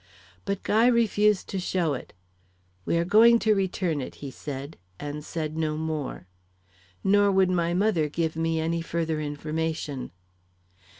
But Guy refused to show it. 'We are going to return it,' he said, and said no more. Nor would my mother give me any further information.